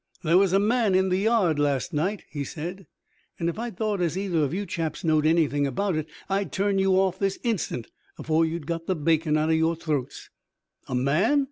"There was a man in the yard last night," he said; "and, if I thought as either of you chaps knowed anything about it, I'd turn you off this instant, afore you'd got the bacon out of your throats." "A man?